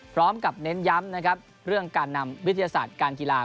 พร้อมกับเน้นย้ำนะครับเรื่องการนำวิทยาศาสตร์การกีฬา